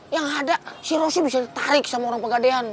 yang ada si rosnya bisa ditarik sama orang pegadean